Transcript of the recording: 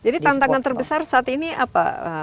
jadi tantangan terbesar saat ini apa